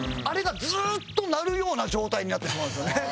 あれがずーっと鳴るような状態になってしまうんですよね。